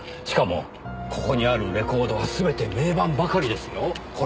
しかもここにあるレコードは全て名盤ばかりですよ。